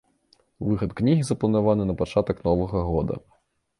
Выхад кнігі запланаваны на пачатак новага года.